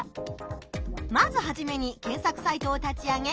まずはじめに検索サイトを立ち上げ